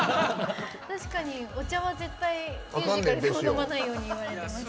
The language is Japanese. お茶は絶対ミュージカルでも飲まないように言われました。